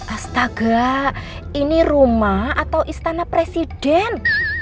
astaga ini rumah atau istana presiden